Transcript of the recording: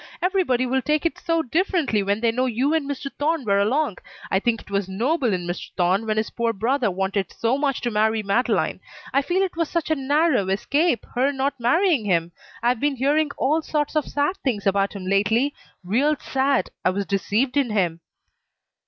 Everybody will take it so differently when they know you and Mr. Thorne were along. I think it was noble in Mr. Thorne when his poor brother wanted so much to marry Madeleine. I feel it was such a narrow escape her not marrying him. I've been hearing all sorts of sad things about him lately. Real sad. I was deceived in him."